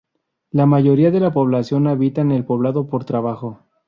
La mayoría de la población habita en el poblado por trabajo.